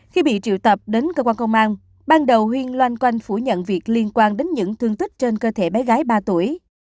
khi bị triệu tập đến cơ quan công an ban đầu huyên loanh quanh phủ nhận việc liên quan đến những thương tích trên cơ thể bé gái ba tuổi